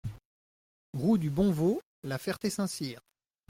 Route du Bonveau, La Ferté-Saint-Cyr